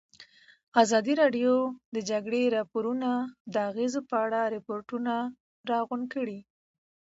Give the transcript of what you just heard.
ازادي راډیو د د جګړې راپورونه د اغېزو په اړه ریپوټونه راغونډ کړي.